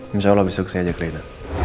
insya allah besok saya aja ke sana